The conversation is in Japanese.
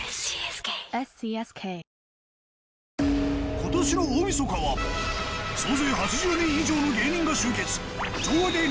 今年の大晦日は総勢８０人以上の芸人が集結